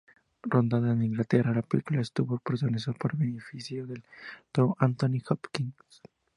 Rodada en Inglaterra, la película estuvo protagonizada por Benicio del Toro y Anthony Hopkins.